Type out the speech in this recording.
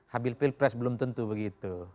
habil pilpres belum tentu begitu